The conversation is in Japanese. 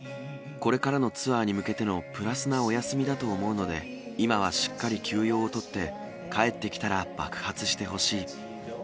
これからのツアーに向けてのプラスなお休みだと思うので、今はしっかり休養をとって、帰ってきたら、爆発してほしい。